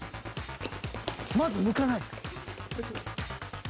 ［まず向かない］